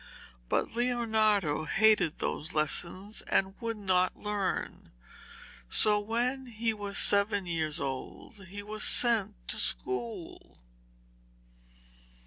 But Leonardo hated those lessons and would not learn, so when he was seven years old he was sent to school.